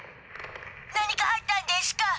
何かあったんでしゅか？